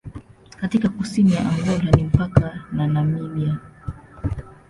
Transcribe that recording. Katika kusini ya Angola ni mpaka na Namibia.